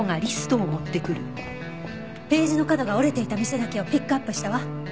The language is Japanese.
ページの角が折れていた店だけをピックアップしたわ。